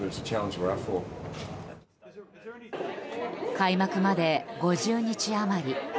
開幕まで５０日余り。